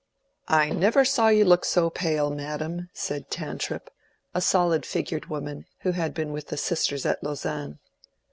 "I never saw you look so pale, madam," said Tantripp, a solid figured woman who had been with the sisters at Lausanne.